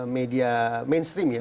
media mainstream ya